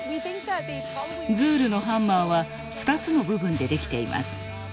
ズールのハンマーは２つの部分でできています。